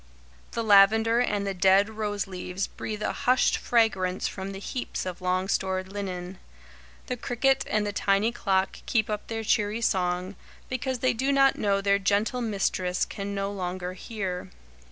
The lavender and the dead rose leaves breathe a hushed fragrance from the heaps of long stored linen; the cricket and the tiny clock keep up their cheery song, because they do not know their gentle mistress can no longer hear.